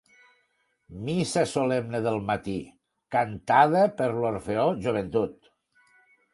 Missa solemne del matí, cantada per l'Orfeó Joventut.